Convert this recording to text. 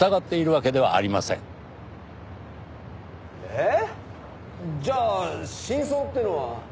ええ？じゃあ真相っていうのは？